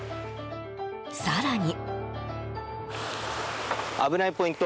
更に。